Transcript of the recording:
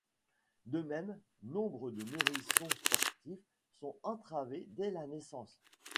De même, nombre de nourrissons sportifs sont entravés dès la naissance.